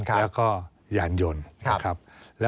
และก็ยานยล